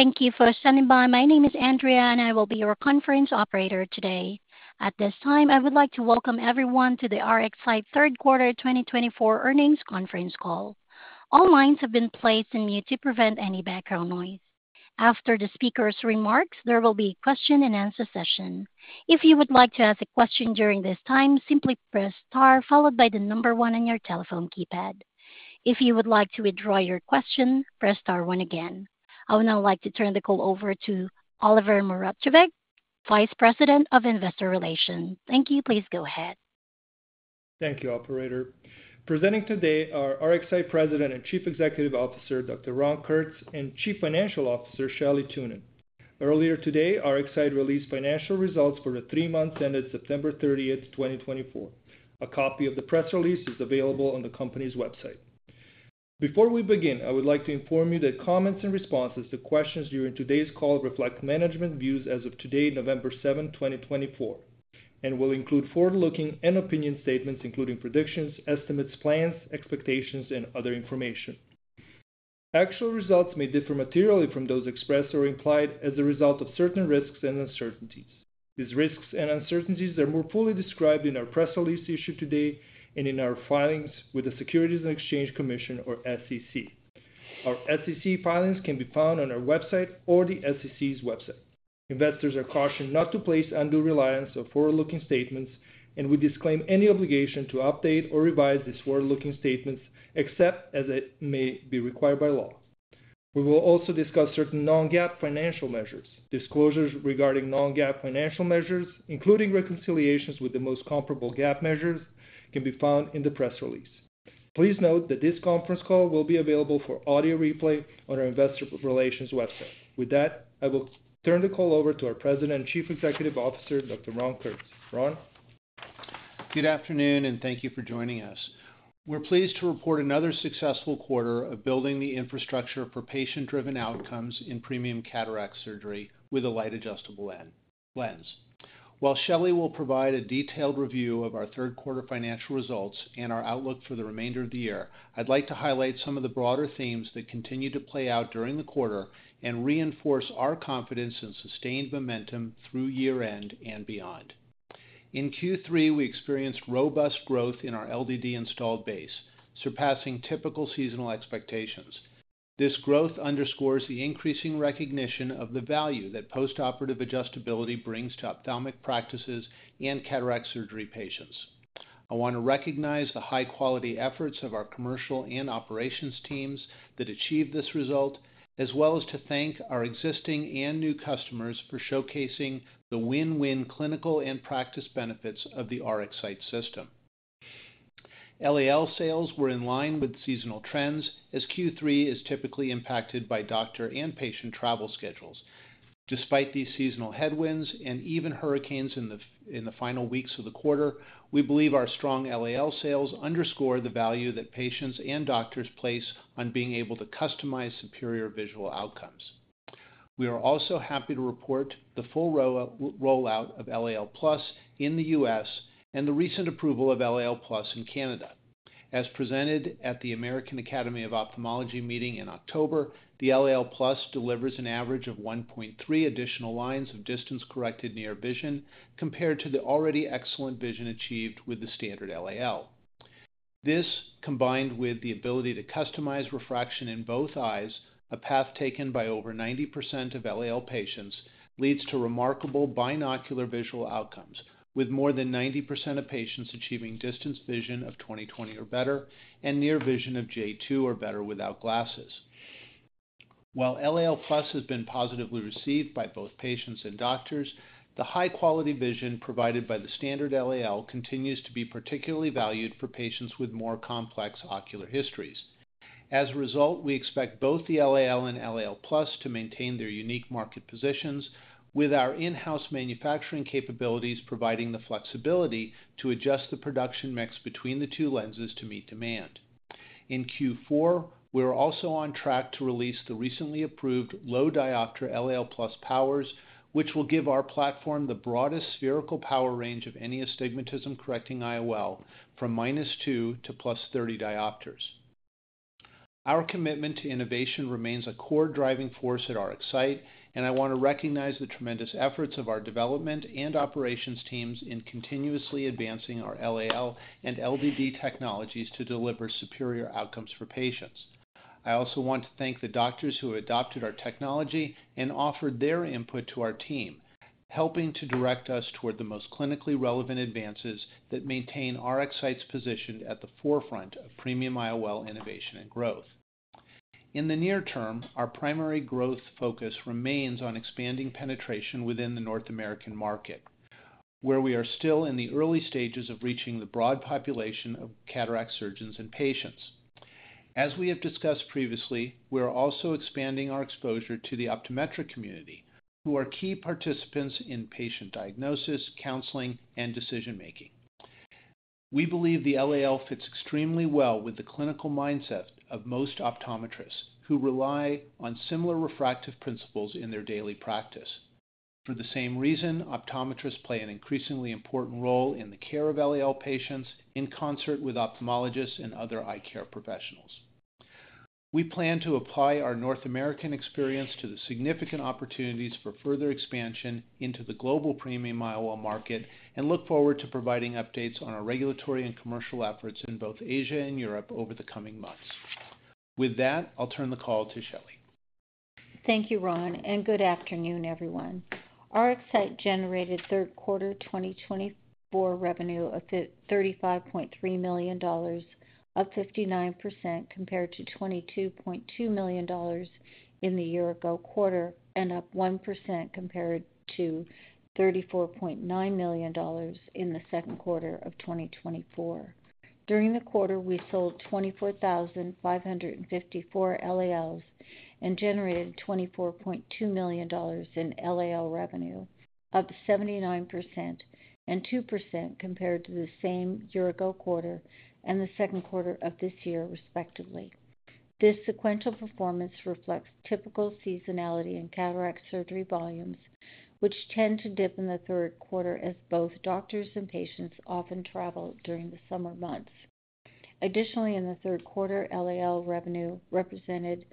Thank you for standing by. My name is Andrea, and I will be your conference operator today. At this time, I would like to welcome everyone to the RxSight third quarter 2024 earnings conference call. All lines have been placed on mute to prevent any background noise. After the speaker's remarks, there will be a question-and-answer session. If you would like to ask a question during this time, simply press star followed by the number one on your telephone keypad. If you would like to withdraw your question, press star one again. I would now like to turn the call over to Oliver Manevski, Vice President of Investor Relations. Thank you. Please go ahead. Thank you, Operator. Presenting today are RxSight President and Chief Executive Officer Dr. Ron Kurtz and Chief Financial Officer Shelley Thunen. Earlier today, RxSight released financial results for the three months ended September 30, 2024. A copy of the press release is available on the company's website. Before we begin, I would like to inform you that comments and responses to questions during today's call reflect management views as of today, November 7, 2024, and will include forward-looking and opinion statements, including predictions, estimates, plans, expectations, and other information. Actual results may differ materially from those expressed or implied as a result of certain risks and uncertainties. These risks and uncertainties are more fully described in our press release issued today and in our filings with the Securities and Exchange Commission, or SEC. Our SEC filings can be found on our website or the SEC's website. Investors are cautioned not to place undue reliance on forward-looking statements, and we disclaim any obligation to update or revise these forward-looking statements except as it may be required by law. We will also discuss certain non-GAAP financial measures. Disclosures regarding non-GAAP financial measures, including reconciliations with the most comparable GAAP measures, can be found in the press release. Please note that this conference call will be available for audio replay on our Investor Relations website. With that, I will turn the call over to our President and Chief Executive Officer, Dr. Ron Kurtz. Ron? Good afternoon, and thank you for joining us. We're pleased to report another successful quarter of building the infrastructure for patient-driven outcomes in premium cataract surgery with a Light Adjustable Lens. While Shelley will provide a detailed review of our third quarter financial results and our outlook for the remainder of the year, I'd like to highlight some of the broader themes that continue to play out during the quarter and reinforce our confidence in sustained momentum through year-end and beyond. In Q3, we experienced robust growth in our LDD installed base, surpassing typical seasonal expectations. This growth underscores the increasing recognition of the value that postoperative adjustability brings to ophthalmic practices and cataract surgery patients. I want to recognize the high-quality efforts of our commercial and operations teams that achieved this result, as well as to thank our existing and new customers for showcasing the win-win clinical and practice benefits of the RxSight system. LAL sales were in line with seasonal trends, as Q3 is typically impacted by doctor and patient travel schedules. Despite these seasonal headwinds and even hurricanes in the final weeks of the quarter, we believe our strong LAL sales underscore the value that patients and doctors place on being able to customize superior visual outcomes. We are also happy to report the full rollout of LAL+ in the U.S. and the recent approval of LAL+ in Canada. As presented at the American Academy of Ophthalmology meeting in October, the LAL+ delivers an average of 1.3 additional lines of distance-corrected near vision compared to the already excellent vision achieved with the standard LAL. This, combined with the ability to customize refraction in both eyes, a path taken by over 90% of LAL patients, leads to remarkable binocular visual outcomes, with more than 90% of patients achieving distance vision of 20/20 or better and near vision of J2 or better without glasses. While LAL+ has been positively received by both patients and doctors, the high-quality vision provided by the standard LAL continues to be particularly valued for patients with more complex ocular histories. As a result, we expect both the LAL and LAL+ to maintain their unique market positions, with our in-house manufacturing capabilities providing the flexibility to adjust the production mix between the two lenses to meet demand. In Q4, we're also on track to release the recently approved low-diopter LAL+ powers, which will give our platform the broadest spherical power range of any astigmatism-correcting IOL from -2 to +30 diopters. Our commitment to innovation remains a core driving force at RxSight, and I want to recognize the tremendous efforts of our development and operations teams in continuously advancing our LAL and LDD technologies to deliver superior outcomes for patients. I also want to thank the doctors who have adopted our technology and offered their input to our team, helping to direct us toward the most clinically relevant advances that maintain RxSight's position at the forefront of premium IOL innovation and growth. In the near term, our primary growth focus remains on expanding penetration within the North American market, where we are still in the early stages of reaching the broad population of cataract surgeons and patients. As we have discussed previously, we are also expanding our exposure to the optometric community, who are key participants in patient diagnosis, counseling, and decision-making. We believe the LAL fits extremely well with the clinical mindset of most optometrists, who rely on similar refractive principles in their daily practice. For the same reason, optometrists play an increasingly important role in the care of LAL patients in concert with ophthalmologists and other eye care professionals. We plan to apply our North American experience to the significant opportunities for further expansion into the global premium IOL market and look forward to providing updates on our regulatory and commercial efforts in both Asia and Europe over the coming months. With that, I'll turn the call to Shelley. Thank you, Ron, and good afternoon, everyone. RxSight generated third quarter 2024 revenue of $35.3 million, up 59% compared to $22.2 million in the year-ago quarter, and up 1% compared to $34.9 million in the second quarter of 2024. During the quarter, we sold 24,554 LALs and generated $24.2 million in LAL revenue, up 79% and 2% compared to the same year-ago quarter and the second quarter of this year, respectively. This sequential performance reflects typical seasonality in cataract surgery volumes, which tend to dip in the third quarter as both doctors and patients often travel during the summer months. Additionally, in the third quarter, LAL revenue represented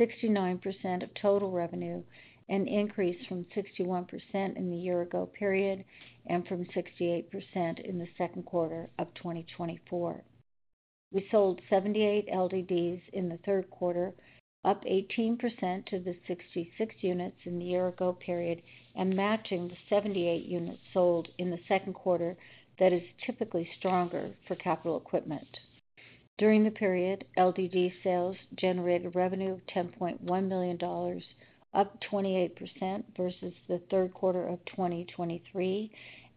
69% of total revenue, an increase from 61% in the year-ago period and from 68% in the second quarter of 2024. We sold 78 LDDs in the third quarter, up 18% to the 66 units in the year-ago period and matching the 78 units sold in the second quarter that is typically stronger for capital equipment. During the period, LDD sales generated revenue of $10.1 million, up 28% versus the third quarter of 2023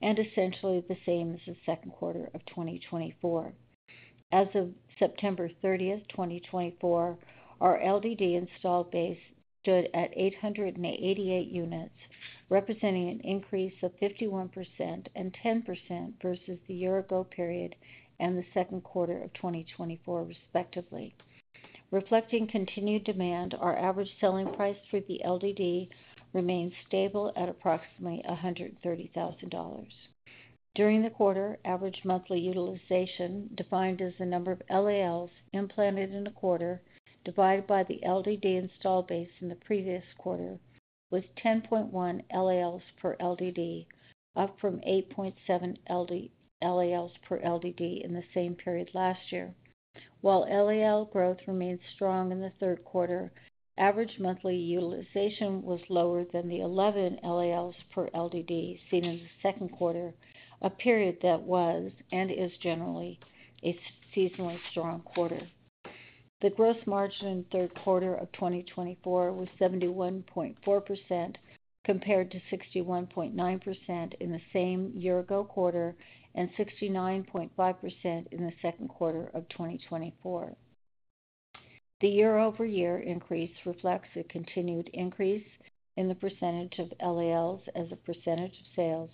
and essentially the same as the second quarter of 2024. As of September 30, 2024, our LDD installed base stood at 888 units, representing an increase of 51% and 10% versus the year-ago period and the second quarter of 2024, respectively. Reflecting continued demand, our average selling price for the LDD remains stable at approximately $130,000. During the quarter, average monthly utilization, defined as the number of LALs implanted in the quarter divided by the LDD installed base in the previous quarter, was 10.1 LALs per LDD, up from 8.7 LALs per LDD in the same period last year. While LAL growth remained strong in the third quarter, average monthly utilization was lower than the 11 LALs per LDD seen in the second quarter, a period that was and is generally a seasonally strong quarter. The gross margin in the third quarter of 2024 was 71.4% compared to 61.9% in the same year-ago quarter and 69.5% in the second quarter of 2024. The year-over-year increase reflects a continued increase in the percentage of LALs as a percentage of sales,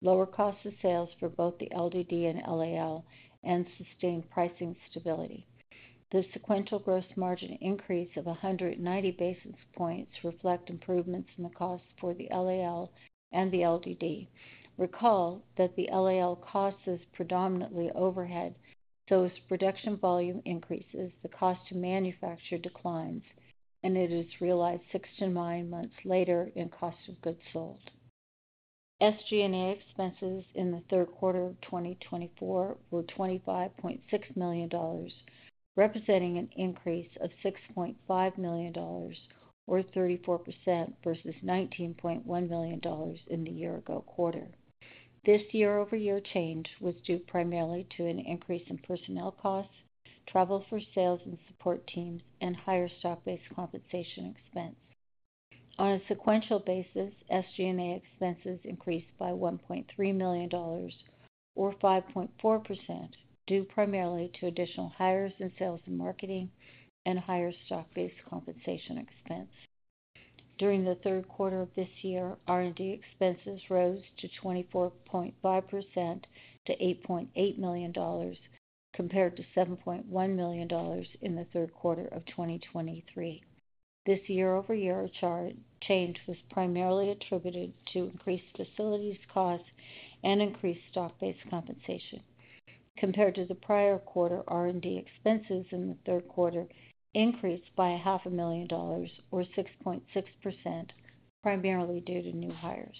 lower cost of sales for both the LDD and LAL, and sustained pricing stability. The sequential gross margin increase of 190 basis points reflects improvements in the cost for the LAL and the LDD. Recall that the LAL cost is predominantly overhead, so as production volume increases, the cost to manufacture declines, and it is realized 6-9 months later in cost of goods sold. SG&A expenses in the third quarter of 2024 were $25.6 million, representing an increase of $6.5 million, or 34% versus $19.1 million in the year-ago quarter. This year-over-year change was due primarily to an increase in personnel costs, travel for sales and support teams, and higher stock-based compensation expense. On a sequential basis, SG&A expenses increased by $1.3 million, or 5.4%, due primarily to additional hires and sales and marketing and higher stock-based compensation expense. During the third quarter of this year, R&D expenses rose to 24.5% to $8.8 million compared to $7.1 million in the third quarter of 2023. This year-over-year change was primarily attributed to increased facilities costs and increased stock-based compensation. Compared to the prior quarter, R&D expenses in the third quarter increased by $500,000, or 6.6%, primarily due to new hires.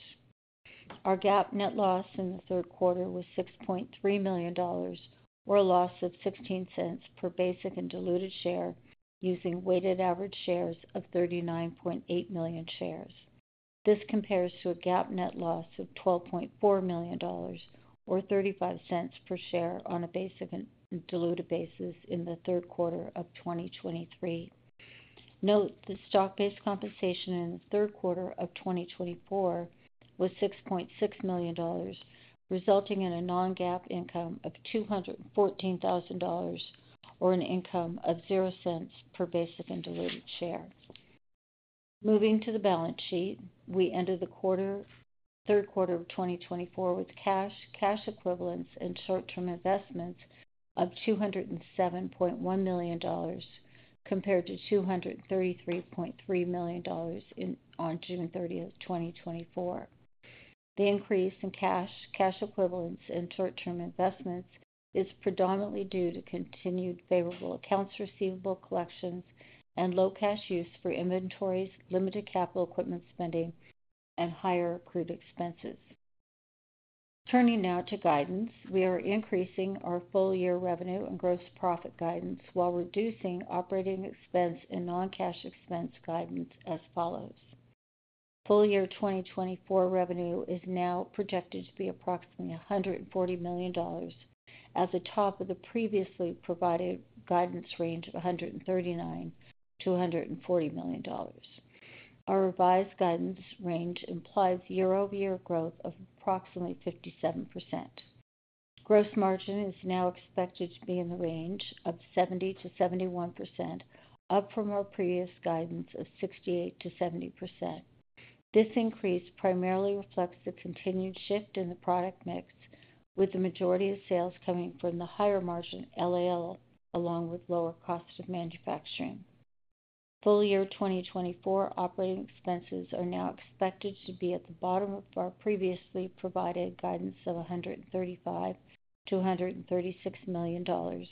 Our GAAP net loss in the third quarter was $6.3 million, or a loss of $0.16 per basic and diluted share using weighted average shares of 39.8 million shares. This compares to a GAAP net loss of $12.4 million, or $0.35 per share on a basic and diluted basis in the third quarter of 2023. Note the stock-based compensation in the third quarter of 2024 was $6.6 million, resulting in a non-GAAP income of $214,000, or an income of $0 per basic and diluted share. Moving to the balance sheet, we ended the third quarter of 2024 with cash, cash equivalents, and short-term investments of $207.1 million compared to $233.3 million on June 30, 2024. The increase in cash, cash equivalents, and short-term investments is predominantly due to continued favorable accounts receivable collections and low cash use for inventories, limited capital equipment spending, and higher accrued expenses. Turning now to guidance, we are increasing our full-year revenue and gross profit guidance while reducing operating expense and non-cash expense guidance as follows. Full-year 2024 revenue is now projected to be approximately $140 million, as the top of the previously provided guidance range of $139 million-$140 million. Our revised guidance range implies year-over-year growth of approximately 57%. Gross margin is now expected to be in the range of 70%-71%, up from our previous guidance of 68%-70%. This increase primarily reflects the continued shift in the product mix, with the majority of sales coming from the higher margin LAL along with lower cost of manufacturing. Full-year 2024 operating expenses are now expected to be at the bottom of our previously provided guidance of $135-$136 million,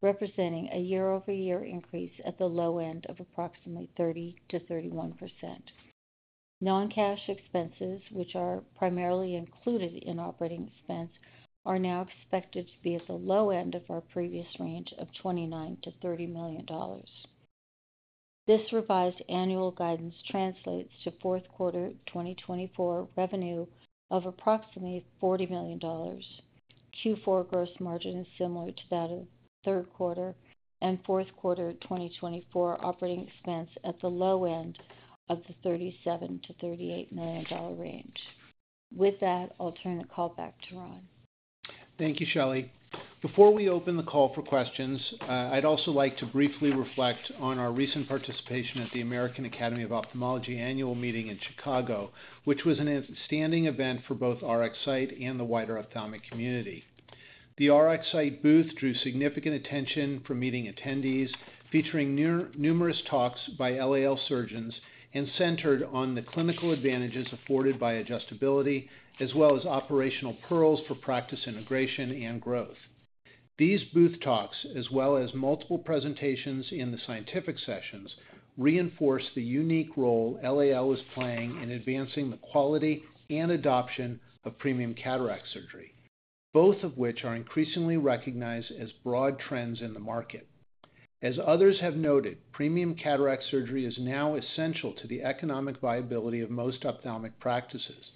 representing a year-over-year increase at the low end of approximately 30%-31%. Non-cash expenses, which are primarily included in operating expense, are now expected to be at the low end of our previous range of $29-$30 million. This revised annual guidance translates to fourth quarter 2024 revenue of approximately $40 million. Q4 gross margin is similar to that of third quarter and fourth quarter 2024 operating expense at the low end of the $37-$38 million range. With that, I'll turn the call back to Ron. Thank you, Shelley. Before we open the call for questions, I'd also like to briefly reflect on our recent participation at the American Academy of Ophthalmology annual meeting in Chicago, which was an outstanding event for both RxSight and the wider ophthalmic community. The RxSight booth drew significant attention from meeting attendees, featuring numerous talks by LAL surgeons and centered on the clinical advantages afforded by adjustability, as well as operational pearls for practice integration and growth. These booth talks, as well as multiple presentations in the scientific sessions, reinforce the unique role LAL is playing in advancing the quality and adoption of premium cataract surgery, both of which are increasingly recognized as broad trends in the market. As others have noted, premium cataract surgery is now essential to the economic viability of most ophthalmic practices.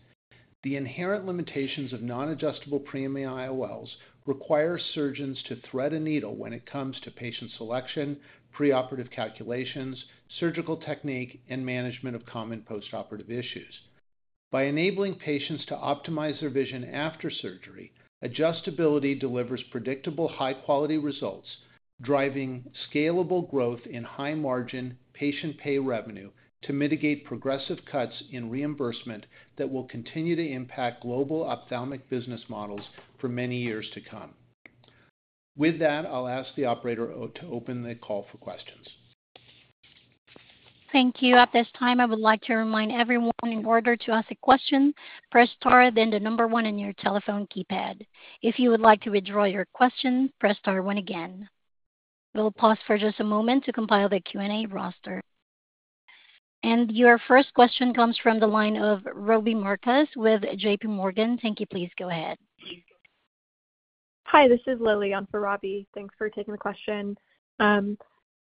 The inherent limitations of non-adjustable premium IOLs require surgeons to thread a needle when it comes to patient selection, preoperative calculations, surgical technique, and management of common postoperative issues. By enabling patients to optimize their vision after surgery, adjustability delivers predictable high-quality results, driving scalable growth in high-margin patient pay revenue to mitigate progressive cuts in reimbursement that will continue to impact global ophthalmic business models for many years to come. With that, I'll ask the operator to open the call for questions. Thank you. At this time, I would like to remind everyone in order to ask a question, press star, then the number one on your telephone keypad. If you would like to withdraw your question, press star one again. We'll pause for just a moment to compile the Q&A roster. And your first question comes from the line of Robbie Marcus with JPMorgan. Thank you. Please go ahead. Hi, this is Lilian Lou. Thanks for taking the question.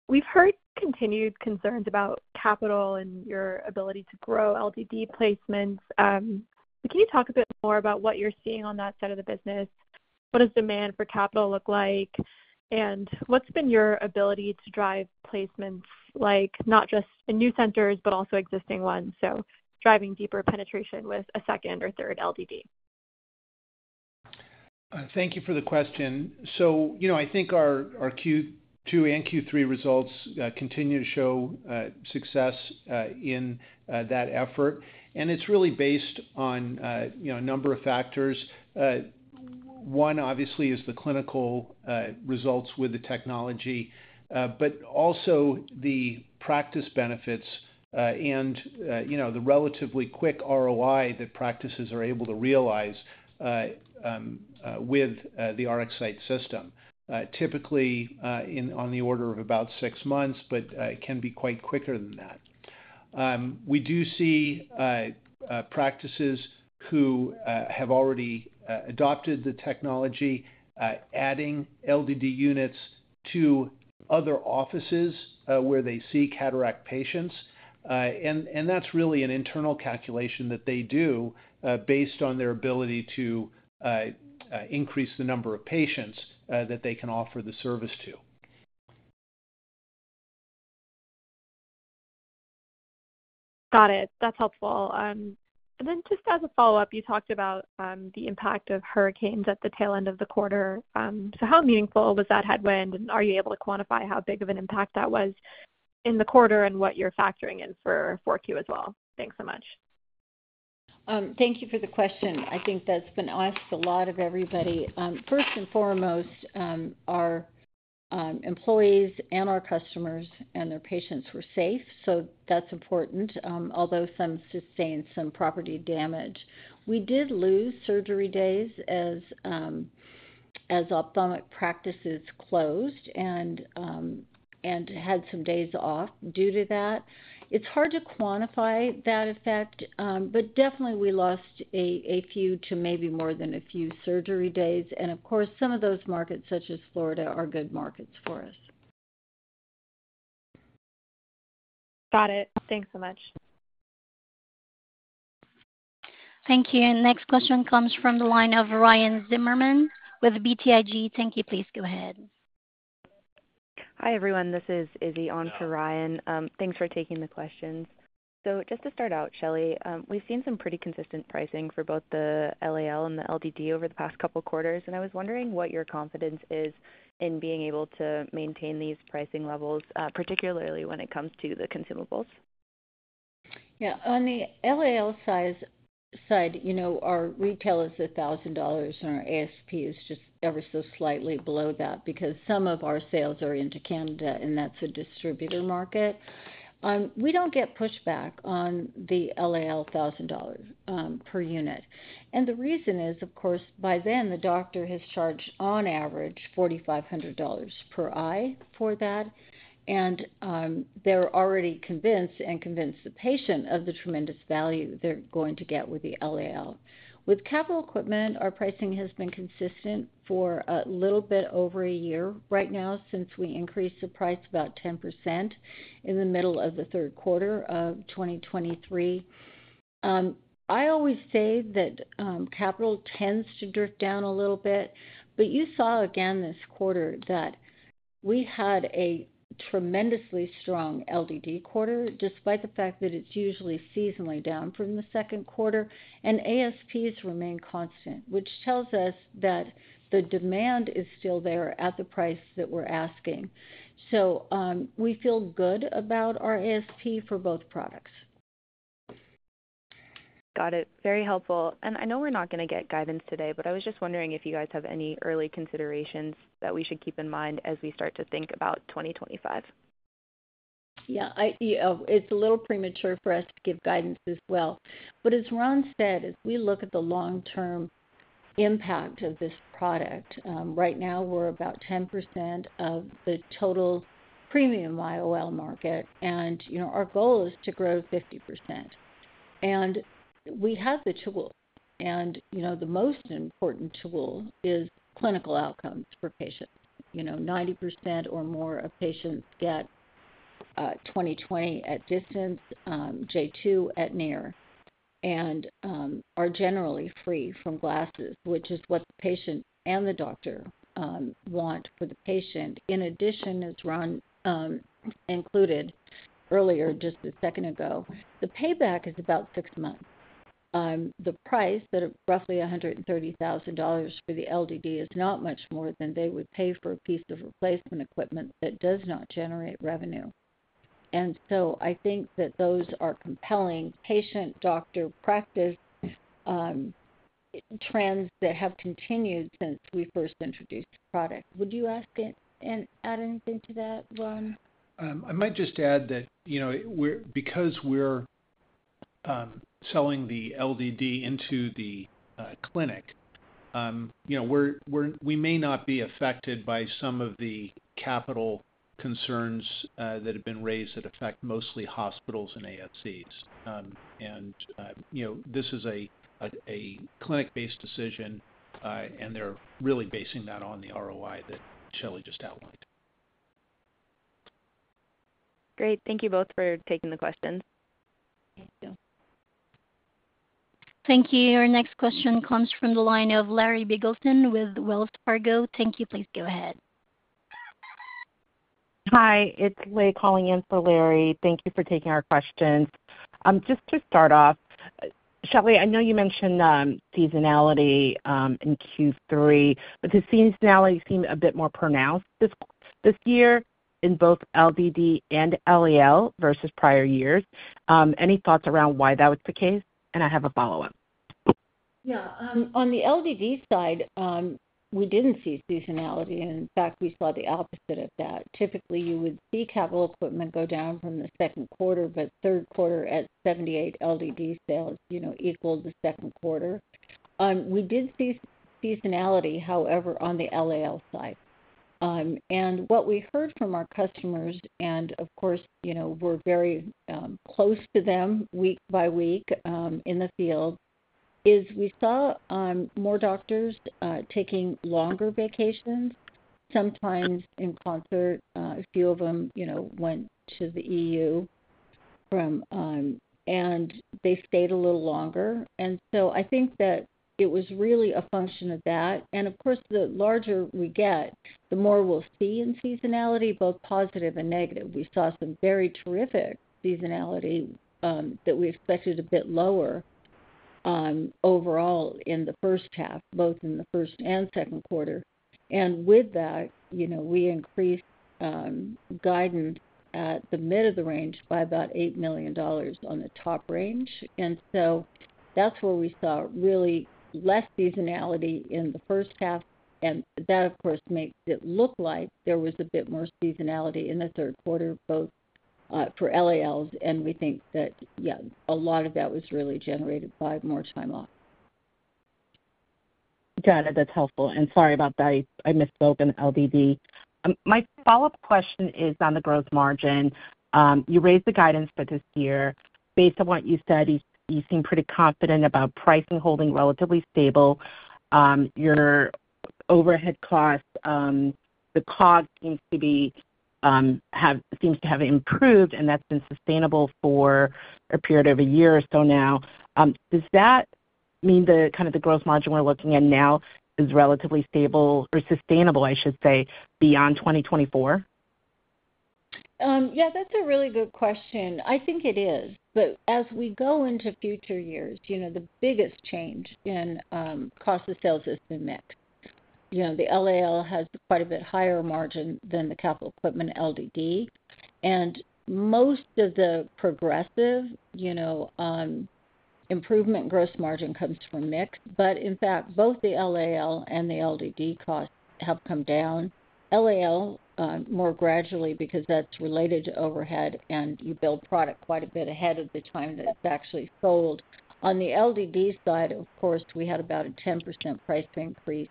We've heard continued concerns about capital and your ability to grow LDD placements. Can you talk a bit more about what you're seeing on that side of the business? What does demand for capital look like, and what's been your ability to drive placements, not just in new centers, but also existing ones? So driving deeper penetration with a second or third LDD. Thank you for the question. So I think our Q2 and Q3 results continue to show success in that effort. And it's really based on a number of factors. One, obviously, is the clinical results with the technology, but also the practice benefits and the relatively quick ROI that practices are able to realize with the RxSight system, typically on the order of about six months, but it can be quite quicker than that. We do see practices who have already adopted the technology adding LDD units to other offices where they see cataract patients. And that's really an internal calculation that they do based on their ability to increase the number of patients that they can offer the service to. Got it. That's helpful. And then just as a follow-up, you talked about the impact of hurricanes at the tail end of the quarter. So how meaningful was that headwind? And are you able to quantify how big of an impact that was in the quarter and what you're factoring in for Q as well? Thanks so much. Thank you for the question. I think that's been asked a lot of everybody. First and foremost, our employees and our customers and their patients were safe, so that's important, although some sustained some property damage. We did lose surgery days as ophthalmic practices closed and had some days off due to that. It's hard to quantify that effect, but definitely we lost a few to maybe more than a few surgery days. And of course, some of those markets, such as Florida, are good markets for us. Got it. Thanks so much. Thank you. And next question comes from the line of Ryan Zimmerman with BTIG. Thank you. Please go ahead. Hi, everyone. This is Izzy on for Ryan. Thanks for taking the questions. So just to start out, Shelley, we've seen some pretty consistent pricing for both the LAL and the LDD over the past couple of quarters. And I was wondering what your confidence is in being able to maintain these pricing levels, particularly when it comes to the consumables? Yeah. On the LAL side, our retail is $1,000, and our ASP is just ever so slightly below that because some of our sales are into Canada, and that's a distributor market. We don't get pushback on the LAL $1,000 per unit. And the reason is, of course, by then, the doctor has charged on average $4,500 per eye for that. And they're already convinced the patient of the tremendous value they're going to get with the LAL. With capital equipment, our pricing has been consistent for a little bit over a year right now since we increased the price about 10% in the middle of the third quarter of 2023. I always say that capital tends to drift down a little bit, but you saw again this quarter that we had a tremendously strong LDD quarter despite the fact that it's usually seasonally down from the second quarter, and ASPs remain constant, which tells us that the demand is still there at the price that we're asking, so we feel good about our ASP for both products. Got it. Very helpful, and I know we're not going to get guidance today, but I was just wondering if you guys have any early considerations that we should keep in mind as we start to think about 2025? Yeah. It's a little premature for us to give guidance as well. But as Ron said, as we look at the long-term impact of this product, right now we're about 10% of the total premium IOL market. And our goal is to grow 50%. And we have the tool. And the most important tool is clinical outcomes for patients. 90% or more of patients get 20/20 at distance, J2 at near, and are generally free from glasses, which is what the patient and the doctor want for the patient. In addition, as Ron included earlier just a second ago, the payback is about six months. The price of that, roughly $130,000 for the LDD is not much more than they would pay for a piece of replacement equipment that does not generate revenue. And so I think that those are compelling patient-doctor practice trends that have continued since we first introduced the product. Would you ask and add anything to that, Ron? I might just add that because we're selling the LDD into the clinic, we may not be affected by some of the capital concerns that have been raised that affect mostly hospitals and ASCs, and this is a clinic-based decision, and they're really basing that on the ROI that Shelley just outlined. Great. Thank you both for taking the questions. Thank you. Thank you. Our next question comes from the line of Larry Biegelsen with Wells Fargo. Thank you. Please go ahead. Hi. It's Lei calling in for Larry. Thank you for taking our questions. Just to start off, Shelley, I know you mentioned seasonality in Q3, but the seasonality seemed a bit more pronounced this year in both LDD and LAL versus prior years. Any thoughts around why that was the case? And I have a follow-up. Yeah. On the LDD side, we didn't see seasonality, and in fact, we saw the opposite of that. Typically, you would see capital equipment go down from the second quarter, but third quarter, at 78 LDD sales, equaled the second quarter. We did see seasonality, however, on the LAL side, and what we heard from our customers, and of course, we're very close to them week by week in the field, is we saw more doctors taking longer vacations, sometimes in concert. A few of them went to the EU, and they stayed a little longer, and so I think that it was really a function of that, and of course, the larger we get, the more we'll see in seasonality, both positive and negative. We saw some very terrific seasonality that we expected, a bit lower overall in the first half, both in the first and second quarter. And with that, we increased guidance at the mid of the range by about $8 million on the top range. And so that's where we saw really less seasonality in the first half. And that, of course, makes it look like there was a bit more seasonality in the third quarter, both for LALs. And we think that, yeah, a lot of that was really generated by more time off. Got it. That's helpful. And sorry about that. I misspoke on the LDD. My follow-up question is on the gross margin. You raised the guidance for this year. Based on what you said, you seem pretty confident about pricing holding relatively stable. Your overhead costs, the cost seems to have improved, and that's been sustainable for a period of a year or so now. Does that mean the kind of the gross margin we're looking at now is relatively stable or sustainable, I should say, beyond 2024? Yeah, that's a really good question. I think it is. But as we go into future years, the biggest change in cost of sales has been the mix. The LAL has quite a bit higher margin than the capital equipment LDD. And most of the progressive improvement gross margin comes from the mix. But in fact, both the LAL and the LDD costs have come down. LAL more gradually because that's related to overhead, and you build product quite a bit ahead of the time that it's actually sold. On the LDD side, of course, we had about a 10% price increase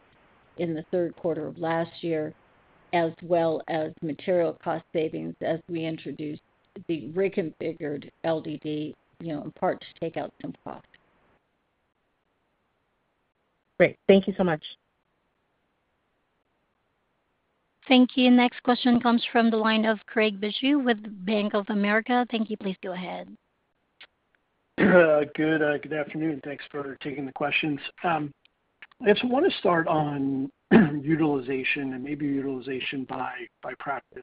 in the third quarter of last year, as well as material cost savings as we introduced the reconfigured LDD in part to take out some cost. Great. Thank you so much. Thank you. Next question comes from the line of Craig Bijou with Bank of America. Thank you. Please go ahead. Good afternoon. Thanks for taking the questions. I just want to start on utilization and maybe utilization by practice.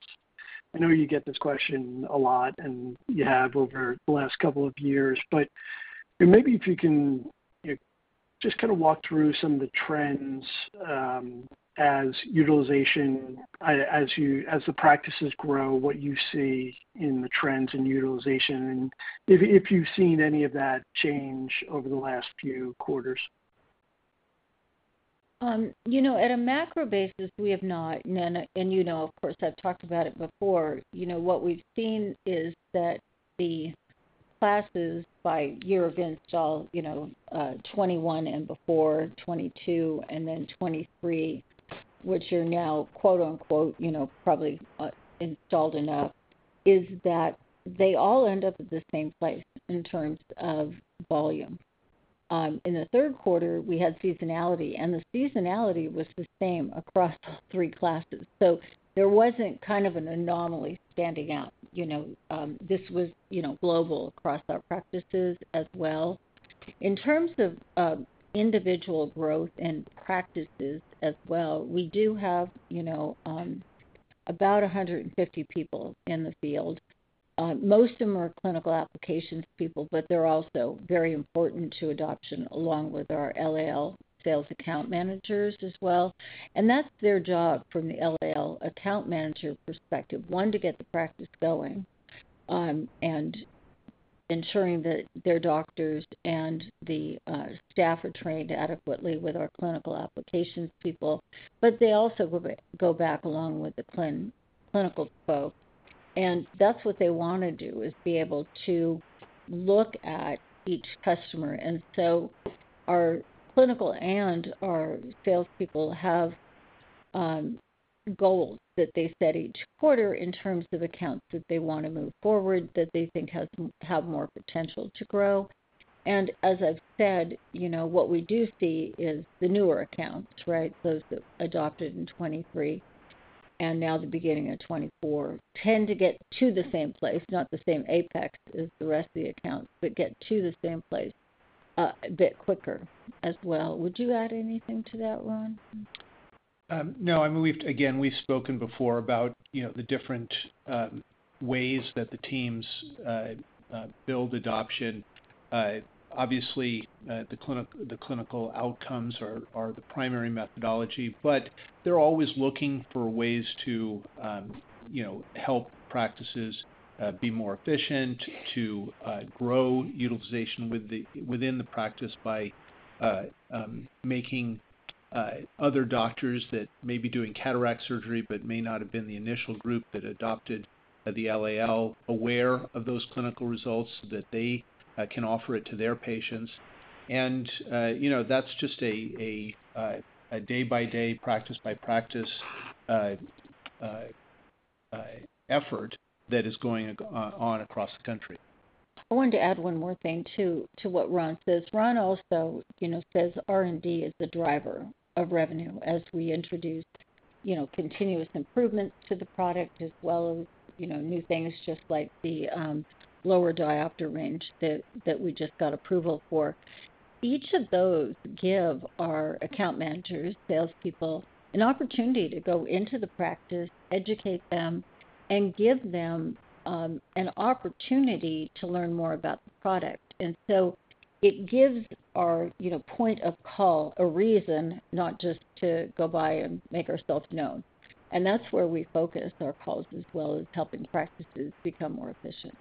I know you get this question a lot, and you have over the last couple of years. But maybe if you can just kind of walk through some of the trends as utilization, as the practices grow, what you see in the trends in utilization, and if you've seen any of that change over the last few quarters. At a macro basis, we have not. And of course, I've talked about it before. What we've seen is that the classes by year of install, 2021 and before, 2022, and then 2023, which are now probably installed enough, is that they all end up at the same place in terms of volume. In the third quarter, we had seasonality, and the seasonality was the same across all three classes. So there wasn't kind of an anomaly standing out. This was global across our practices as well. In terms of individual growth and practices as well, we do have about 150 people in the field. Most of them are clinical applications people, but they're also very important to adoption along with our LAL sales account managers as well. And that's their job from the LAL account manager perspective, one, to get the practice going and ensuring that their doctors and the staff are trained adequately with our clinical applications people. But they also go back along with the clinical folks. And that's what they want to do, is be able to look at each customer. And so our clinical and our salespeople have goals that they set each quarter in terms of accounts that they want to move forward that they think have more potential to grow. And as I've said, what we do see is the newer accounts, right, those that adopted in 2023 and now the beginning of 2024, tend to get to the same place, not the same apex as the rest of the accounts, but get to the same place a bit quicker as well. Would you add anything to that, Ron? No. I mean, again, we've spoken before about the different ways that the teams build adoption. Obviously, the clinical outcomes are the primary methodology, but they're always looking for ways to help practices be more efficient, to grow utilization within the practice by making other doctors that may be doing cataract surgery but may not have been the initial group that adopted the LAL aware of those clinical results so that they can offer it to their patients, and that's just a day-by-day, practice-by-practice effort that is going on across the country. I wanted to add one more thing to what Ron says. Ron also says R&D is the driver of revenue as we introduce continuous improvements to the product as well as new things just like the lower diopter range that we just got approval for. Each of those give our account managers, salespeople, an opportunity to go into the practice, educate them, and give them an opportunity to learn more about the product, and so it gives our point of call a reason not just to go by and make ourselves known, and that's where we focus our calls as well as helping practices become more efficient.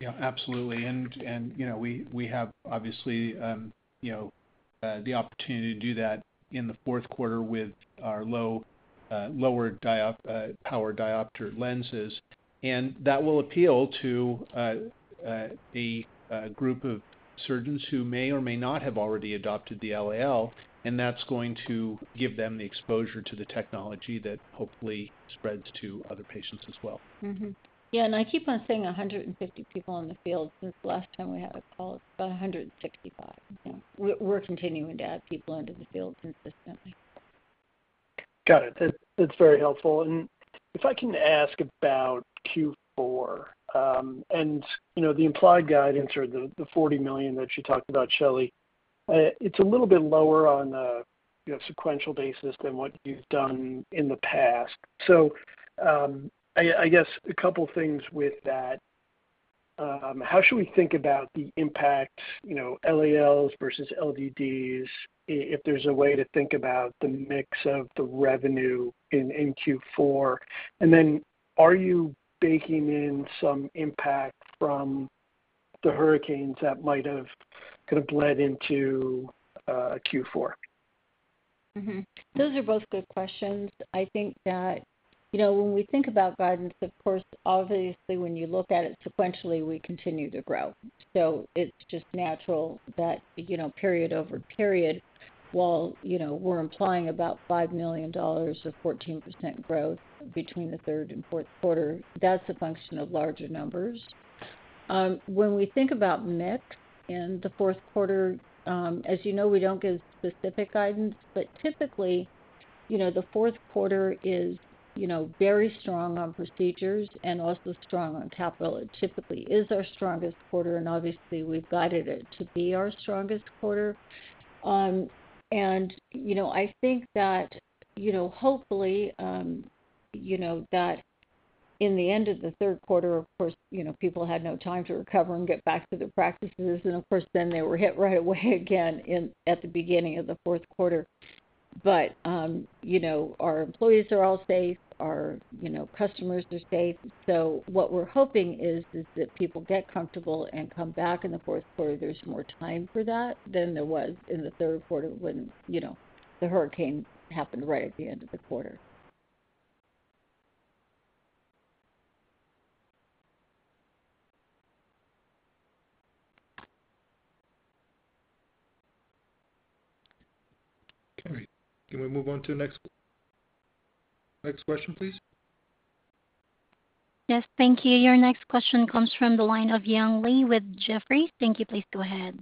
Yeah, absolutely. And we have obviously the opportunity to do that in the fourth quarter with our lower power diopter lenses. And that will appeal to a group of surgeons who may or may not have already adopted the LAL, and that's going to give them the exposure to the technology that hopefully spreads to other patients as well. Yeah, and I keep on saying 150 people in the field since the last time we had a call, about 165. We're continuing to add people into the field consistently. Got it. That's very helpful. And if I can ask about Q4 and the implied guidance or the $40 million that you talked about, Shelley, it's a little bit lower on a sequential basis than what you've done in the past. So I guess a couple of things with that. How should we think about the impact LALs versus LDDs if there's a way to think about the mix of the revenue in Q4? And then are you baking in some impact from the hurricanes that might have kind of led into Q4? Those are both good questions. I think that when we think about guidance, of course, obviously, when you look at it sequentially, we continue to grow. So it's just natural that period over period, while we're implying about $5 million or 14% growth between the third and fourth quarter, that's a function of larger numbers. When we think about mix in the fourth quarter, as you know, we don't give specific guidance, but typically, the fourth quarter is very strong on procedures and also strong on capital. It typically is our strongest quarter, and obviously, we've guided it to be our strongest quarter, and I think that hopefully that in the end of the third quarter, of course, people had no time to recover and get back to their practices, and of course, then they were hit right away again at the beginning of the fourth quarter. But our employees are all safe. Our customers are safe. So what we're hoping is that people get comfortable and come back in the fourth quarter. There's more time for that than there was in the third quarter when the hurricane happened right at the end of the quarter. Okay. Can we move on to the next question, please? Yes. Thank you. Your next question comes from the line of Young Li with Jefferies. Thank you. Please go ahead.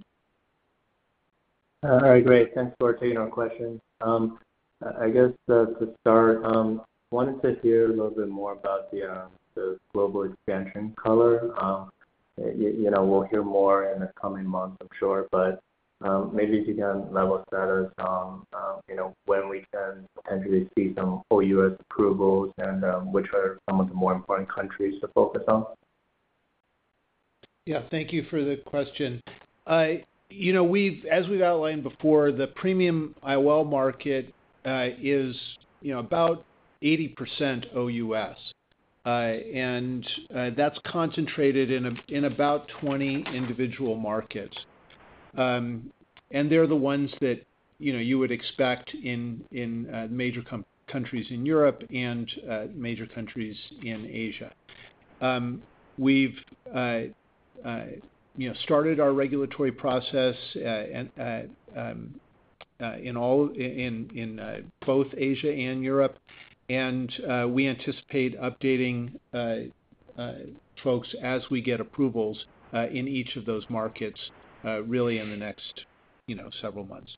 All right. Great. Thanks for taking our question. I guess to start, I wanted to hear a little bit more about the global expansion color. We'll hear more in the coming months, I'm sure. But maybe if you can level set us on when we can potentially see some OUS approvals and which are some of the more important countries to focus on. Yeah. Thank you for the question. As we've outlined before, the premium IOL market is about 80% OUS. And that's concentrated in about 20 individual markets. And they're the ones that you would expect in major countries in Europe and major countries in Asia. We've started our regulatory process in both Asia and Europe. And we anticipate updating folks as we get approvals in each of those markets really in the next several months.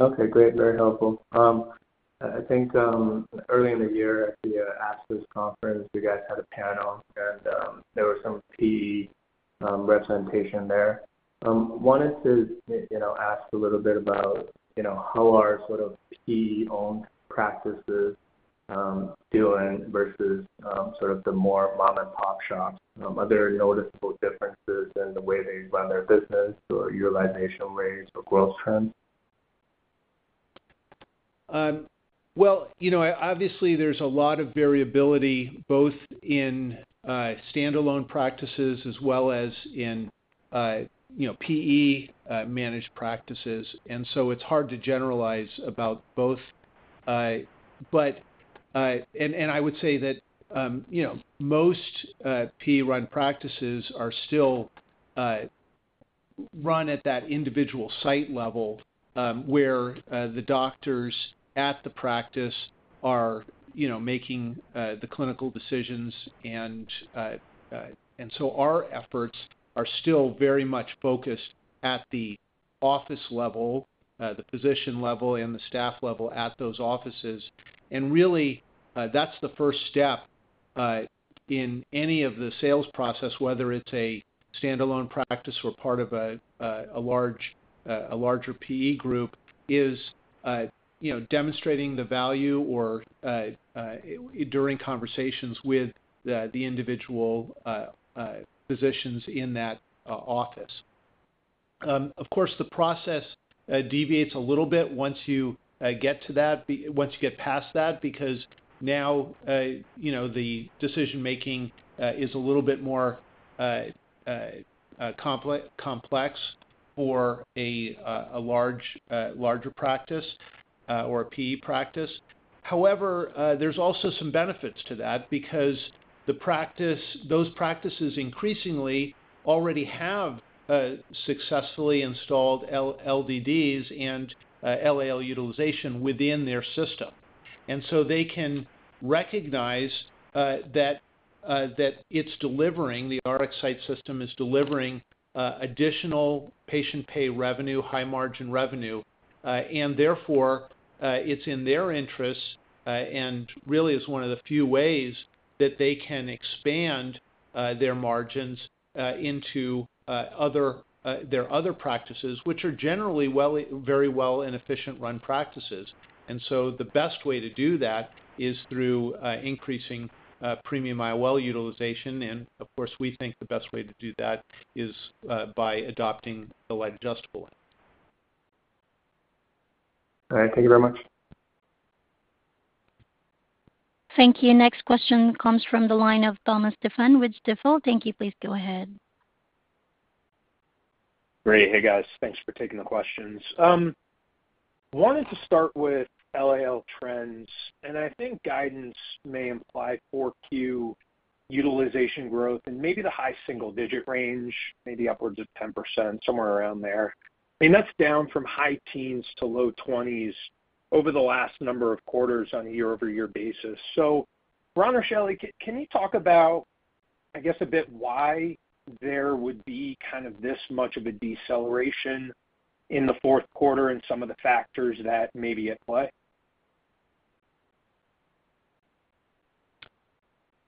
Okay. Great. Very helpful. I think early in the year at the ASCRS conference, you guys had a panel, and there were some PE representation there. I wanted to ask a little bit about how are sort of PE-owned practices doing versus sort of the more mom-and-pop shops? Are there noticeable differences in the way they run their business or utilization rates or growth trends? Obviously, there's a lot of variability both in standalone practices as well as in PE-managed practices. And so it's hard to generalize about both. And I would say that most PE-run practices are still run at that individual site level where the doctors at the practice are making the clinical decisions. And so our efforts are still very much focused at the office level, the physician level, and the staff level at those offices. And really, that's the first step in any of the sales process, whether it's a standalone practice or part of a larger PE group, is demonstrating the value, or during conversations with the individual physicians in that office. Of course, the process deviates a little bit once you get to that, once you get past that, because now the decision-making is a little bit more complex for a larger practice or a PE practice. However, there's also some benefits to that because those practices increasingly already have successfully installed LDDs and LAL utilization within their system. And so they can recognize that it's delivering the RxSight system is delivering additional patient pay revenue, high margin revenue. And therefore, it's in their interest and really is one of the few ways that they can expand their margins into their other practices, which are generally very well and efficient run practices. And so the best way to do that is through increasing premium IOL utilization. And of course, we think the best way to do that is by adopting the light adjustable. All right. Thank you very much. Thank you. Next question comes from the line of Thomas Stephan, Stifel. Thank you. Please go ahead. Great. Hey, guys. Thanks for taking the questions. I wanted to start with LAL trends, and I think guidance may imply 4Q utilization growth and maybe the high single-digit range, maybe upwards of 10%, somewhere around there. I mean, that's down from high teens to low 20s over the last number of quarters on a year-over-year basis, so Ron or Shelley, can you talk about, I guess, a bit why there would be kind of this much of a deceleration in the fourth quarter and some of the factors that may be at play?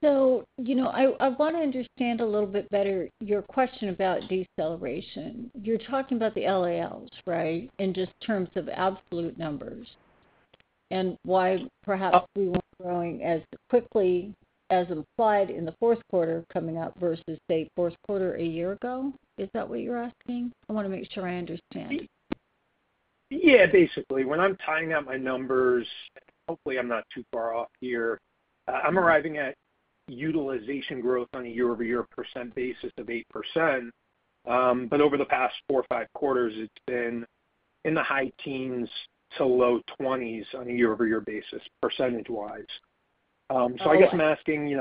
So I want to understand a little bit better your question about deceleration. You're talking about the LALs, right, in just terms of absolute numbers and why perhaps we weren't growing as quickly as implied in the fourth quarter coming up versus, say, fourth quarter a year ago. Is that what you're asking? I want to make sure I understand. Yeah, basically. When I'm tying up my numbers, hopefully, I'm not too far off here. I'm arriving at utilization growth on a year-over-year percent basis of 8%. But over the past four or five quarters, it's been in the high teens to low 20s on a year-over-year basis, percentage-wise. So I guess I'm asking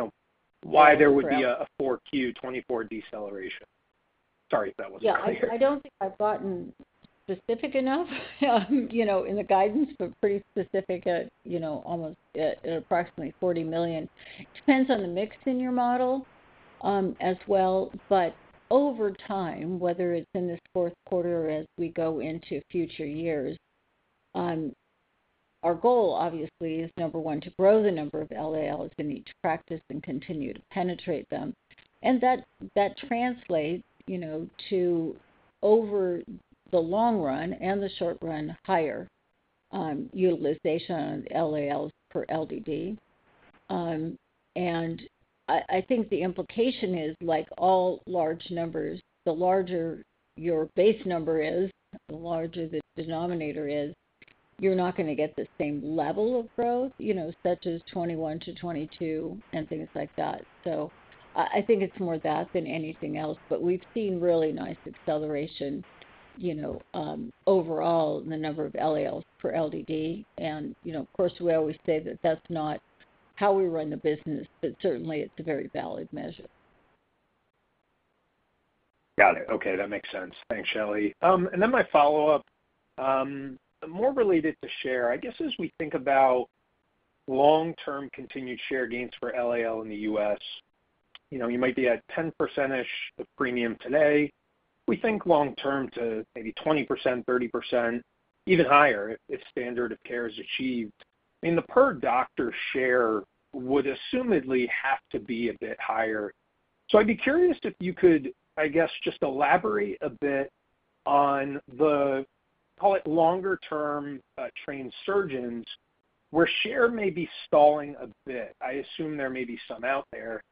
why there would be a 4Q24 deceleration? Sorry if that wasn't clear. Yeah. I don't think I've gotten specific enough in the guidance, but pretty specific at almost approximately $40 million. It depends on the mix in your model as well. But over time, whether it's in this fourth quarter or as we go into future years, our goal, obviously, is number one, to grow the number of LALs in each practice and continue to penetrate them. And that translates to, over the long run and the short run, higher utilization of LALs per LDD. And I think the implication is, like all large numbers, the larger your base number is, the larger the denominator is, you're not going to get the same level of growth, such as 21 to 22 and things like that. So I think it's more that than anything else. But we've seen really nice acceleration overall in the number of LALs per LDD. Of course, we always say that that's not how we run the business, but certainly, it's a very valid measure. Got it. Okay. That makes sense. Thanks, Shelley. And then my follow-up, more related to share. I guess as we think about long-term continued share gains for LAL in the U.S., you might be at 10%-ish of premium today. We think long-term to maybe 20%, 30%, even higher if standard of care is achieved. I mean, the per doctor share would assumedly have to be a bit higher. So I'd be curious if you could, I guess, just elaborate a bit on the, call it, longer-term trained surgeons where share may be stalling a bit. I assume there may be some out there.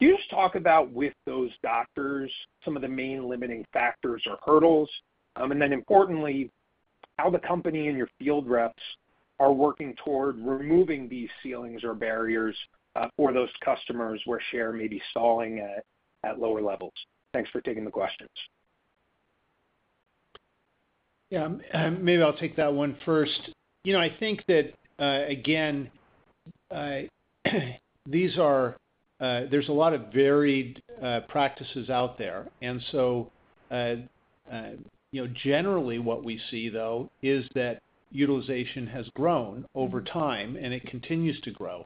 Can you just talk about, with those doctors, some of the main limiting factors or hurdles? And then importantly, how the company and your field reps are working toward removing these ceilings or barriers for those customers where share may be stalling at lower levels? Thanks for taking the questions. Yeah. Maybe I'll take that one first. I think that, again, there's a lot of varied practices out there, and so generally, what we see, though, is that utilization has grown over time, and it continues to grow,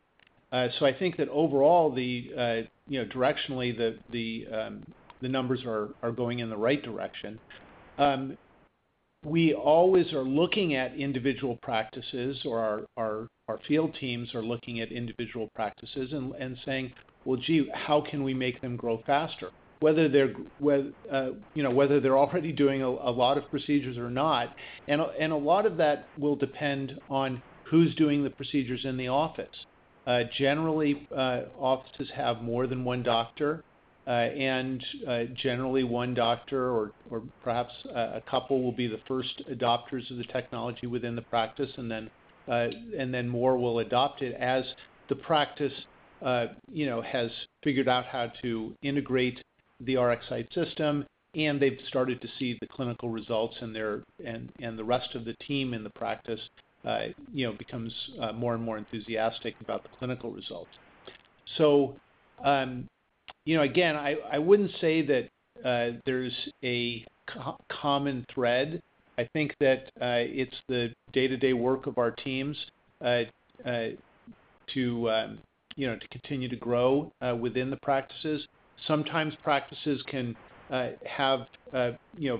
so I think that overall, directionally, the numbers are going in the right direction. We always are looking at individual practices, or our field teams are looking at individual practices and saying, "Well, gee, how can we make them grow faster," whether they're already doing a lot of procedures or not, and a lot of that will depend on who's doing the procedures in the office. Generally, offices have more than one doctor, and generally, one doctor or perhaps a couple will be the first adopters of the technology within the practice, and then more will adopt it as the practice has figured out how to integrate the RxSight system. And they've started to see the clinical results, and the rest of the team in the practice becomes more and more enthusiastic about the clinical results. So again, I wouldn't say that there's a common thread. I think that it's the day-to-day work of our teams to continue to grow within the practices. Sometimes practices can have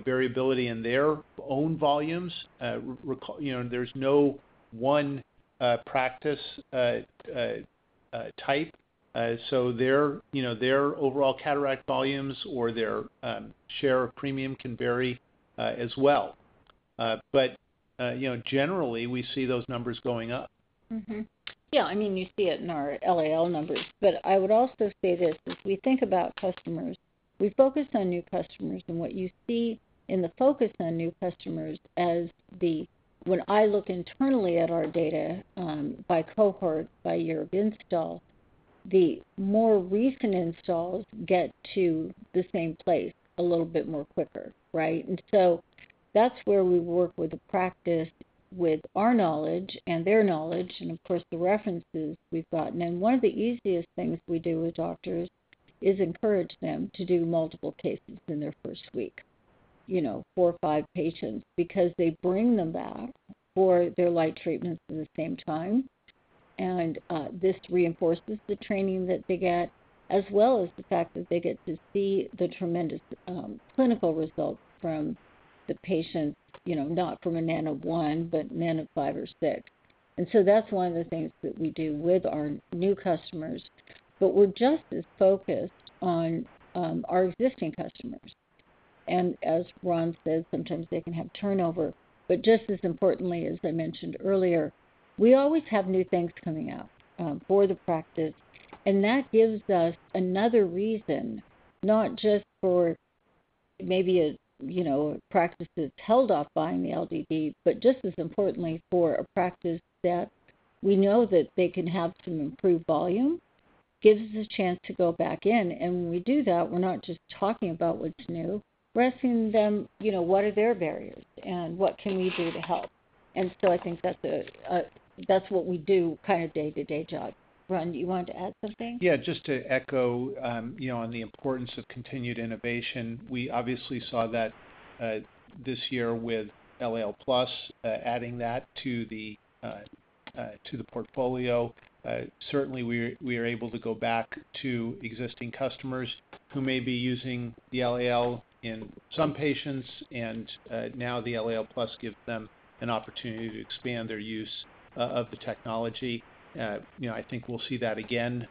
variability in their own volumes. There's no one practice type. So their overall cataract volumes or their share of premium can vary as well. But generally, we see those numbers going up. Yeah. I mean, you see it in our LAL numbers. But I would also say this: if we think about customers, we focus on new customers. And what you see in the focus on new customers as when I look internally at our data by cohort, by year of install, the more recent installs get to the same place a little bit more quicker, right? And so that's where we work with the practice with our knowledge and their knowledge and, of course, the references we've gotten. And one of the easiest things we do with doctors is encourage them to do multiple cases in their first week, four or five patients, because they bring them back for their light treatments at the same time. And this reinforces the training that they get, as well as the fact that they get to see the tremendous clinical results from the patients, not from an n of one, but n of five or six. And so that's one of the things that we do with our new customers. But we're just as focused on our existing customers. And as Ron said, sometimes they can have turnover. But just as importantly, as I mentioned earlier, we always have new things coming out for the practice. And that gives us another reason, not just for maybe a practice that's held off buying the LDD, but just as importantly for a practice that we know that they can have some improved volume, gives us a chance to go back in. And when we do that, we're not just talking about what's new. We're asking them, "What are their barriers? And what can we do to help?" And so I think that's what we do kind of day-to-day job. Ron, do you want to add something? Yeah. Just to echo on the importance of continued innovation, we obviously saw that this year with LAL+ adding that to the portfolio. Certainly, we are able to go back to existing customers who may be using the LAL in some patients. And now the LAL+ gives them an opportunity to expand their use of the technology. I think we'll see that again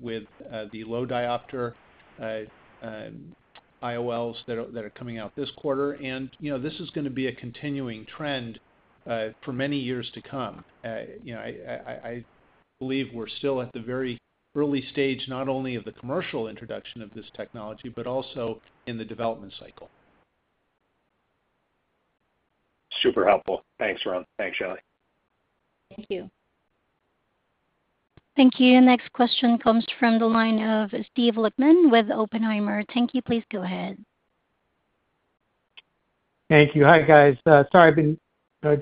with the low diopter IOLs that are coming out this quarter. And this is going to be a continuing trend for many years to come. I believe we're still at the very early stage, not only of the commercial introduction of this technology, but also in the development cycle. Super helpful. Thanks, Ron. Thanks, Shelley. Thank you. Thank you. Next question comes from the line of Steven Lichtman with Oppenheimer. Thank you. Please go ahead. Thank you. Hi, guys. Sorry, I've been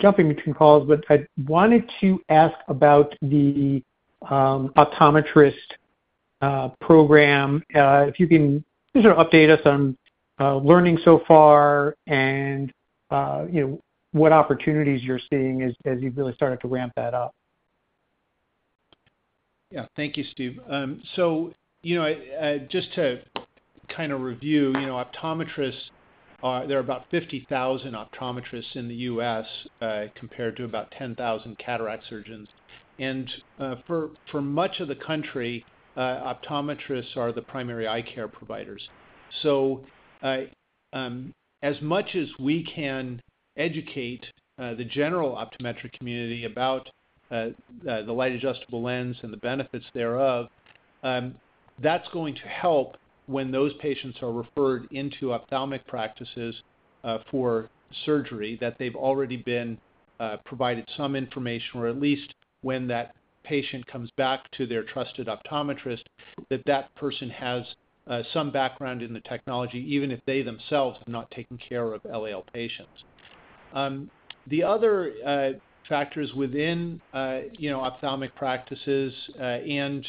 jumping between calls, but I wanted to ask about the optometrist program. If you can just update us on learning so far and what opportunities you're seeing as you really started to ramp that up? Yeah. Thank you, Steve. So just to kind of review, there are about 50,000 optometrists in the U.S. compared to about 10,000 cataract surgeons. And for much of the country, optometrists are the primary eye care providers. So as much as we can educate the general optometric community about the Light Adjustable Lens and the benefits thereof, that's going to help when those patients are referred into ophthalmic practices for surgery that they've already been provided some information, or at least when that patient comes back to their trusted optometrist, that that person has some background in the technology, even if they themselves have not taken care of LAL patients. The other factors within ophthalmic practices and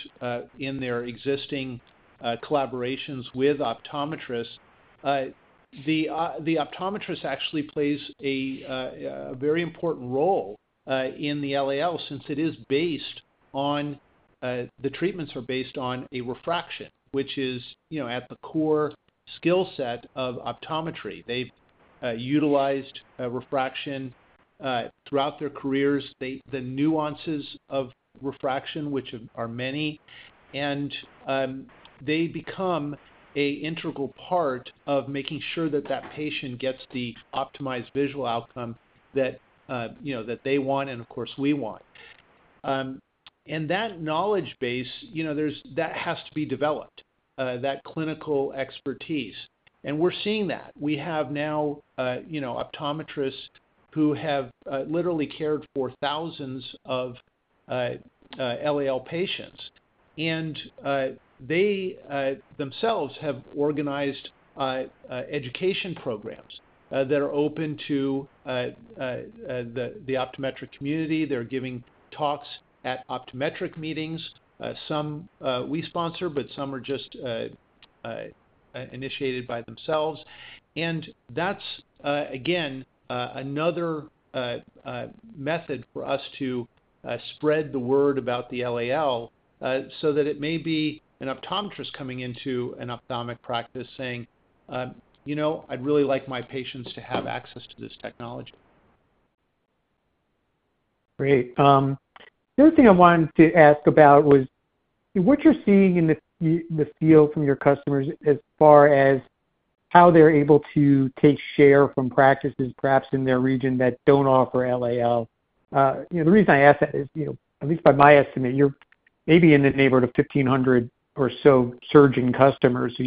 in their existing collaborations with optometrists, the optometrist actually plays a very important role in the LAL since it is based on the treatments are based on a refraction, which is at the core skill set of optometry. They've utilized refraction throughout their careers, the nuances of refraction, which are many. And they become an integral part of making sure that that patient gets the optimized visual outcome that they want and, of course, we want. And that knowledge base, that has to be developed, that clinical expertise. And we're seeing that. We have now optometrists who have literally cared for thousands of LAL patients. And they themselves have organized education programs that are open to the optometric community. They're giving talks at optometric meetings. Some we sponsor, but some are just initiated by themselves. That's, again, another method for us to spread the word about the LAL so that it may be an optometrist coming into an ophthalmic practice saying, "I'd really like my patients to have access to this technology. Great. The other thing I wanted to ask about was what you're seeing in the field from your customers as far as how they're able to take share from practices, perhaps in their region, that don't offer LAL. The reason I ask that is, at least by my estimate, you're maybe in the neighborhood of 1,500 or so surgeon customers. So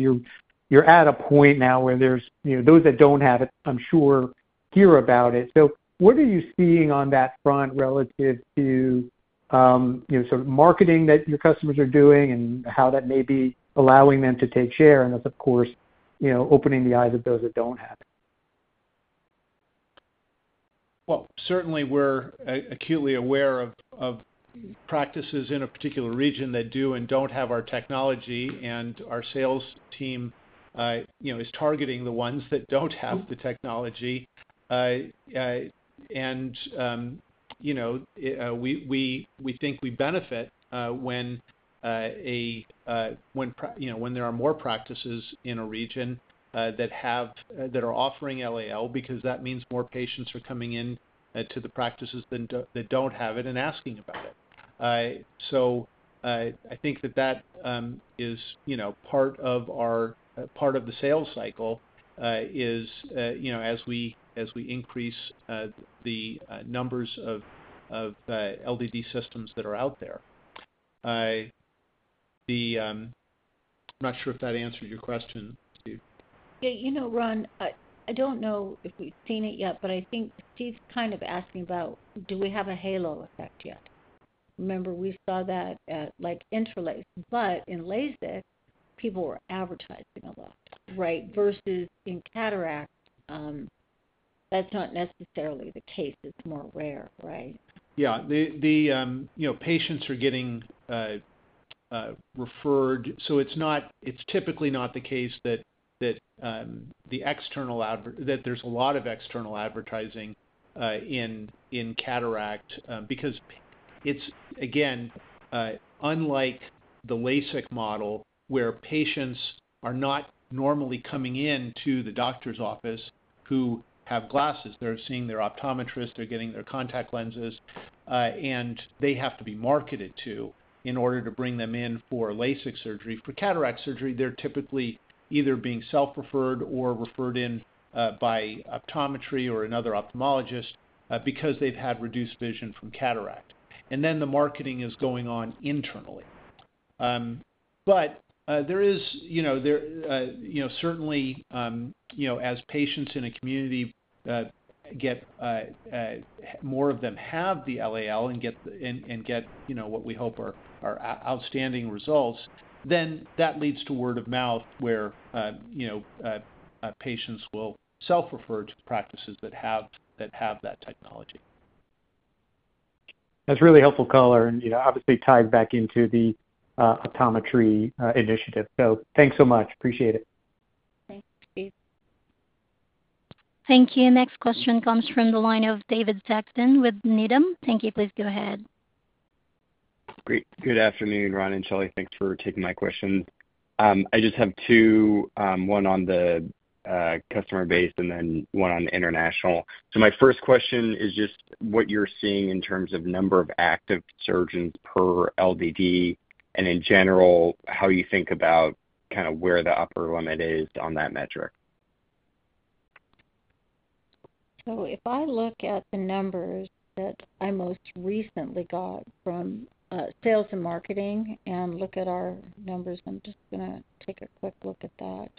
you're at a point now where there's those that don't have it, I'm sure, hear about it. So what are you seeing on that front relative to sort of marketing that your customers are doing and how that may be allowing them to take share? And that's, of course, opening the eyes of those that don't have it. Certainly, we're acutely aware of practices in a particular region that do and don't have our technology. Our sales team is targeting the ones that don't have the technology. We think we benefit when there are more practices in a region that are offering LAL because that means more patients are coming into the practices that don't have it and asking about it. I think that is part of our sales cycle as we increase the numbers of LDD systems that are out there. I'm not sure if that answered your question, Steve. Yeah. Ron, I don't know if we've seen it yet, but I think Steve's kind of asking about, do we have a halo effect yet? Remember, we saw that at IntraLase. But in LASIK, people were advertising a lot, right? Versus in cataracts, that's not necessarily the case. It's more rare, right? Yeah. The patients are getting referred. So it's typically not the case that there's a lot of external advertising in cataract because, again, unlike the LASIK model where patients are not normally coming into the doctor's office who have glasses, they're seeing their optometrist, they're getting their contact lenses, and they have to be marketed to in order to bring them in for LASIK surgery. For cataract surgery, they're typically either being self-referred or referred in by optometry or another ophthalmologist because they've had reduced vision from cataract. And then the marketing is going on internally. But there is certainly, as patients in a community get more of them have the LAL and get what we hope are outstanding results, then that leads to word of mouth where patients will self-refer to practices that have that technology. That's really helpful, color. Obviously, ties back into the optometry initiative. So thanks so much. Appreciate it. Thank you. Thank you. Next question comes from the line of David Saxon with Needham. Thank you. Please go ahead. Great. Good afternoon, Ron and Shelley. Thanks for taking my questions. I just have two, one on the customer base and then one on international. So my first question is just what you're seeing in terms of number of active surgeons per LDD and, in general, how you think about kind of where the upper limit is on that metric. So if I look at the numbers that I most recently got from sales and marketing and look at our numbers, I'm just going to take a quick look at that.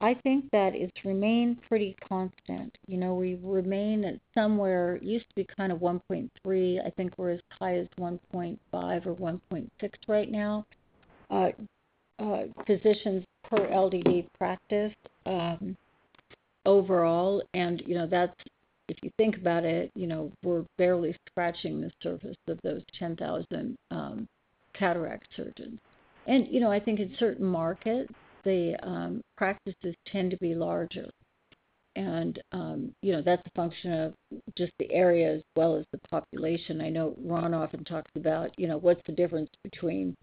I think that it's remained pretty constant. We remain at somewhere it used to be kind of 1.3. I think we're as high as 1.5 or 1.6 right now, physicians per LDD practice overall. And if you think about it, we're barely scratching the surface of those 10,000 cataract surgeons. And I think in certain markets, the practices tend to be larger. And that's a function of just the area as well as the population. I know Ron often talks about what's the difference between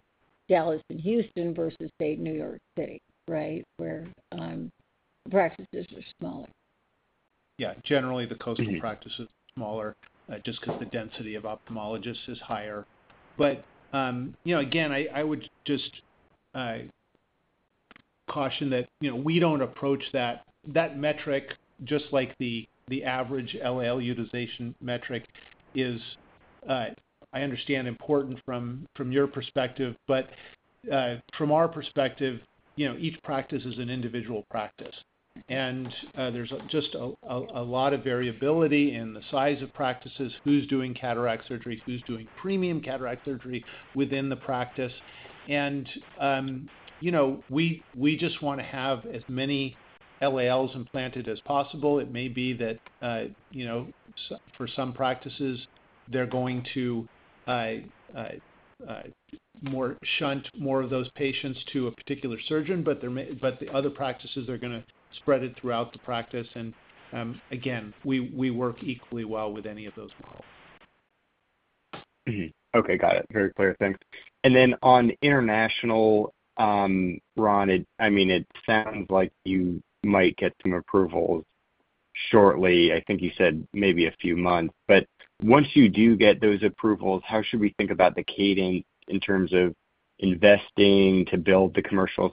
Dallas and Houston versus, say, New York City, right, where practices are smaller. Yeah. Generally, the coastal practice is smaller just because the density of ophthalmologists is higher. But again, I would just caution that we don't approach that metric just like the average LAL utilization metric is, I understand, important from your perspective. But from our perspective, each practice is an individual practice. And there's just a lot of variability in the size of practices, who's doing cataract surgery, who's doing premium cataract surgery within the practice. And we just want to have as many LALs implanted as possible. It may be that for some practices, they're going to shunt more of those patients to a particular surgeon, but the other practices, they're going to spread it throughout the practice. And again, we work equally well with any of those models. Okay. Got it. Very clear. Thanks, and then on international, Ron, I mean, it sounds like you might get some approvals shortly. I think you said maybe a few months, but once you do get those approvals, how should we think about the cadence in terms of investing to build the commercial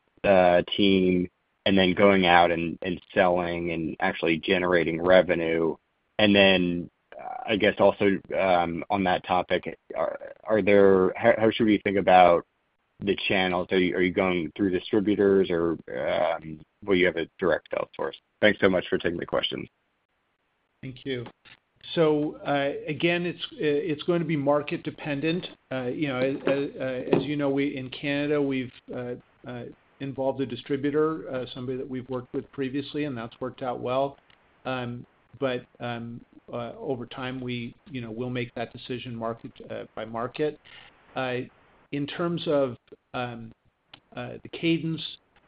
team and then going out and selling and actually generating revenue, and then I guess also on that topic, how should we think about the channels? Are you going through distributors or will you have a direct outsource? Thanks so much for taking the question. Thank you. So again, it's going to be market-dependent. As you know, in Canada, we've involved a distributor, somebody that we've worked with previously, and that's worked out well. But over time, we will make that decision market by market. In terms of the cadence,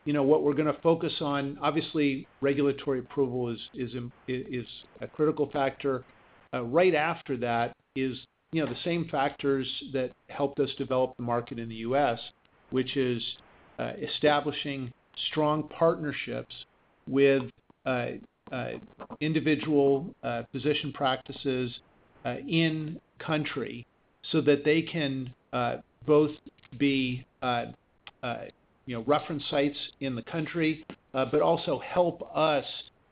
what we're going to focus on, obviously, regulatory approval is a critical factor. Right after that is the same factors that helped us develop the market in the U.S., which is establishing strong partnerships with individual physician practices in country so that they can both be reference sites in the country, but also help us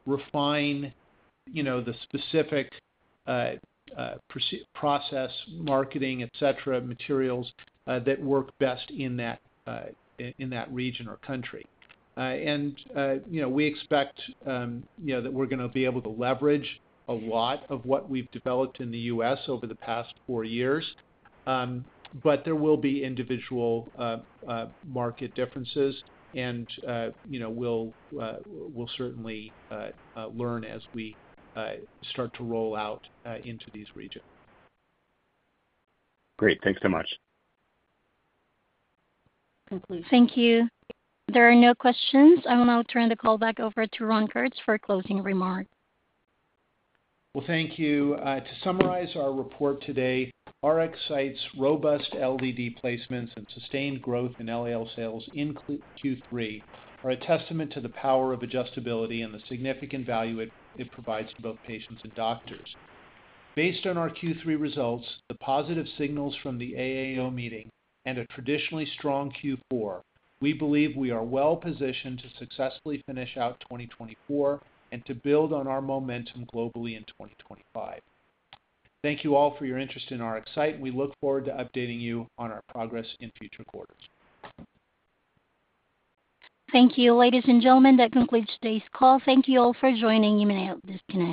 refine the specific process, marketing, etc., materials that work best in that region or country. And we expect that we're going to be able to leverage a lot of what we've developed in the U.S. over the past four years. But there will be individual market differences, and we'll certainly learn as we start to roll out into these regions. Great. Thanks so much. Thank you. There are no questions. I will now turn the call back over to Ron Kurtz for closing remarks. Thank you. To summarize our report today, RxSight's robust LDD placements and sustained growth in LAL sales in Q3 are a testament to the power of adjustability and the significant value it provides to both patients and doctors. Based on our Q3 results, the positive signals from the AAO meeting, and a traditionally strong Q4, we believe we are well positioned to successfully finish out 2024 and to build on our momentum globally in 2025. Thank you all for your interest in RxSight, and we look forward to updating you on our progress in future quarters. Thank you. Ladies and gentlemen, that concludes today's call. Thank you all for joining us this time.